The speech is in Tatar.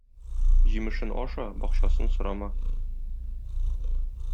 Җимешен аша, бакчасын сорама.